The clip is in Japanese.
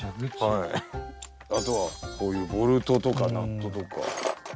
あとはこういうボルトとかナットとか。